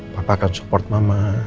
papa akan support mama